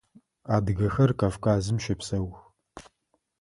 Адыгэхэр Кавказым щэпсэух.